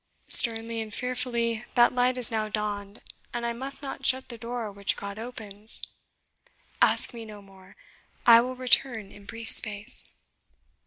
Sternly and fearfully that light has now dawned, and I must not shut the door which God opens. Ask me no more. I will return in brief space."